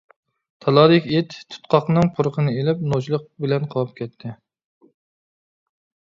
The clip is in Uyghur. تالادىكى ئىت تۇتقاقنىڭ پۇرىقىنى ئېلىپ، نوچىلىق بىلەن قاۋاپ كەتتى.